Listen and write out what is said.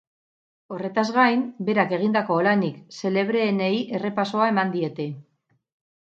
Horretaz gain, berak egindako lanik xelebreenei errepasoa eman diete.